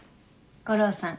悟郎さん